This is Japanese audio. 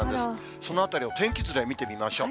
そのあたりを天気図で見てみましょう。